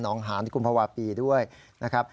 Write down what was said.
นองหาในกุมภาวะปีด้วยนะครับ